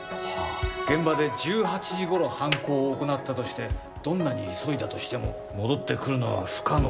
現場で１８時ごろ犯行を行ったとしてどんなに急いだとしても戻ってくるのは不可能。